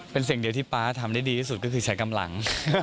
เป็นสิ่งเดียวที่ป๊าทำได้ดีที่สุดก็คือใช้กำลัง